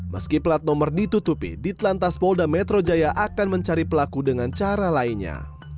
meski plat nomor ditutupi di telantas polda metro jaya akan mencari pelaku dengan cara lainnya